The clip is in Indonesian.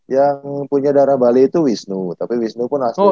yang punya darah bali itu wisnu tapi wisnu pun asli